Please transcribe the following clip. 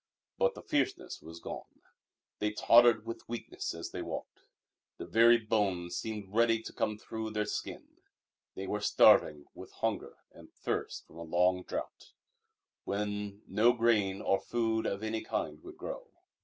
But the fierceness was gone. They tottered with weakness as they walked. The very bones seemed ready to come through their skin. They were starving with hunger and thirst from a long drought, when no grain or food of any kind would grow.